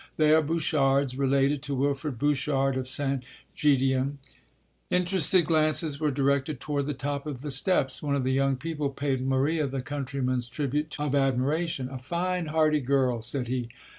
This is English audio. They are Bouchards, related to Wilfrid Bouchard of St. Gedeon ..." Interested glances were directed toward the top of the steps. One of the young people paid Maria the countryman's tribute of admiration "A fine hearty girl!" said he.